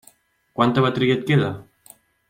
Quanta bateria et queda?